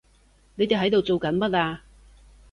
你哋喺度做緊乜啊？